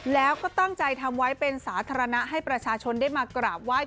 แล้วก็ตั้งใจทำไว้เป็นสาธารณะให้ประชาชนได้มากราบไหว้